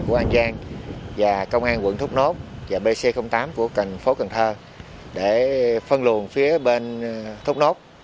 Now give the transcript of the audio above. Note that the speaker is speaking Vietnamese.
bc tám của an giang và công an quận thúc nốt và bc tám của phố cần thơ để phân luồn phía bên thúc nốt